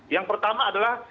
yang pertama adalah